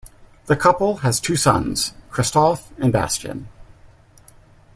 The couple has two sons, Christoph and Bastian.